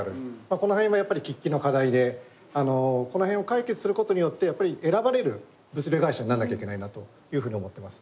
この辺はやっぱり喫緊の課題でこの辺を解決することによって選ばれる物流会社にならないといけないなというふうに思っています。